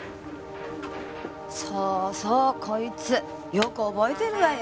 そうそうこいつよく覚えてるわよ。